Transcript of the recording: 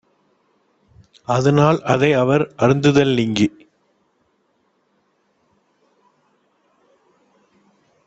அதனால் அதை அவர் அருந்துதல் நீங்கி